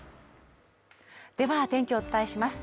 天気をお伝えします。